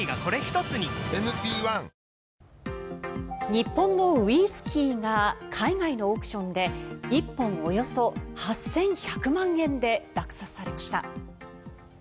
日本のウイスキーが海外のオークションで１本およそ８１００万円で落札されました。